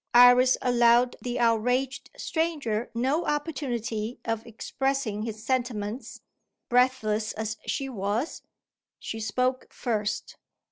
Iris allowed the outraged stranger no opportunity of expressing his sentiments. Breathless as she was, she spoke first.